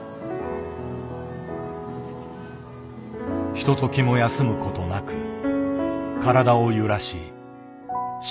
ひとときも休むことなく体を揺らし尻尾を振る。